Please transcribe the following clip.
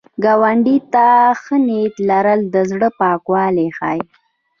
ګاونډي ته ښه نیت لرل، د زړه پاکوالی ښيي